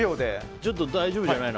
ちょっと大丈夫じゃないな。